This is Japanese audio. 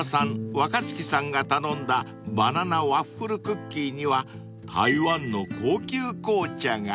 若槻さんが頼んだバナナワッフルクッキーには台湾の高級紅茶が］